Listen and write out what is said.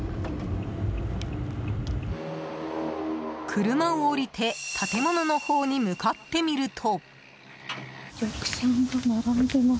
車を降りて建物のほうに向かってみると。